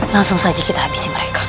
langsung saja kita habisi mereka